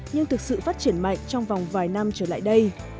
nhưng thực sự phát triển mạnh trong vòng vài năm trở lại đây